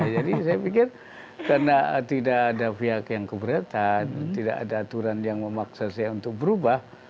jadi saya pikir karena tidak ada pihak yang keberatan tidak ada aturan yang memaksa saya untuk berubah